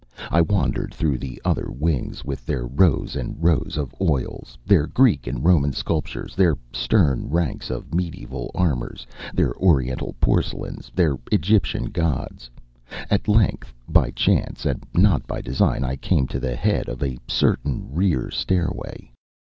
I wandered through the other wings with their rows and rows of oils, their Greek and Roman sculptures, their stern ranks of medieval armors, their Oriental porcelains, their Egyptian gods. At length, by chance and not by design, I came to the head of a certain rear stairway.